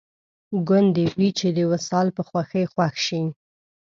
ګوندې وي چې د وصال په خوښۍ خوښ شي